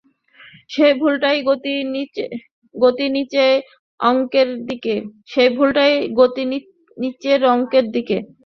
সেই ভুলটার গতি নীচের অঙ্কের দিকে।